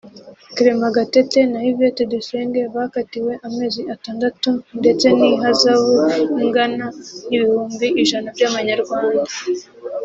Clement Gatete na Yvette Dusenge bakatiwe amezi atandatu ndetse n’ihazabu ingana n’ibihumbi ijana by’amanyarwanda